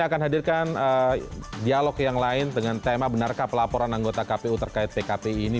kita akan hadirkan dialog yang lain dengan tema benarkah pelaporan anggota kpu terkait pkpi ini